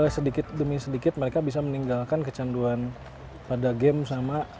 sedikit demi sedikit mereka bisa meninggalkan kecanduan pada game sama